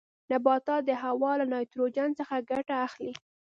نباتات د هوا له نایتروجن څخه ګټه اخلي.